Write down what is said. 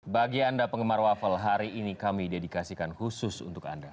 bagi anda penggemar waffle hari ini kami dedikasikan khusus untuk anda